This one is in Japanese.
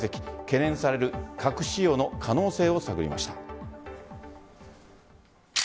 懸念される核使用の可能性を探りました。